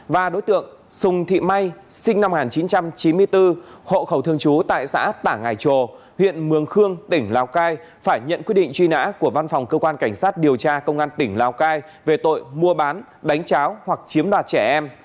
và đối tượng sùng thị may sinh năm một nghìn chín trăm chín mươi bốn hộ khẩu thường trú tại xã tả ngài trồ huyện mường khương tỉnh lào cai phải nhận quyết định truy nã của văn phòng cơ quan cảnh sát điều tra công an tỉnh lào cai về tội mua bán đánh cháo hoặc chiếm đoạt trẻ em